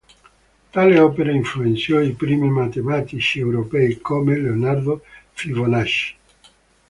Tale opera influenzò i primi matematici europei come Leonardo Fibonacci.